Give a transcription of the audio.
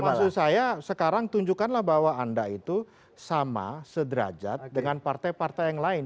maksud saya sekarang tunjukkanlah bahwa anda itu sama sederajat dengan partai partai yang lain